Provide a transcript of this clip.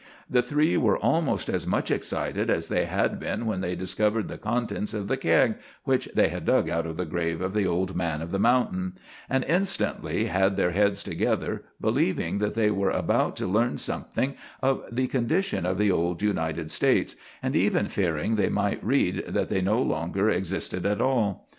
The three were almost as much excited as they had been when they discovered the contents of the keg which they had dug out of the grave of the old man of the mountain, and instantly had their heads together, believing that they were about to learn something of the condition of the old United States, and even fearing they might read that they no longer existed at all.